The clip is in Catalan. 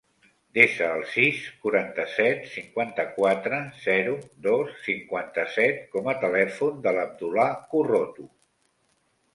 Desa el sis, quaranta-set, cinquanta-quatre, zero, dos, cinquanta-set com a telèfon de l'Abdullah Corroto.